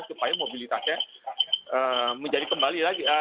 supaya mobilitasnya menjadi kembali lagi